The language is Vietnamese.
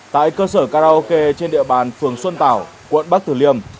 tại cơ sở karaoke trên địa bàn phường xuân tảo quận bắc tử liêm